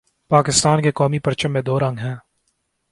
پاکستان کے قومی پرچم میں دو رنگ ہیں